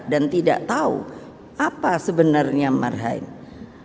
dan tidak tahu apa sebenarnya marhainis